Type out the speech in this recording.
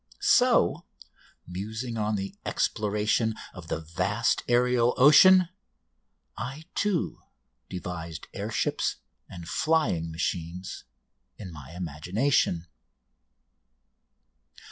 So, musing on the exploration of the vast aerial ocean, I, too, devised air ships and flying machines in my imagination.